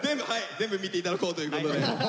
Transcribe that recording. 全部見ていただこうということで。